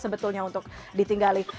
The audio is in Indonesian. sebetulnya untuk ditinggali